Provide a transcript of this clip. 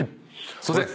すいません！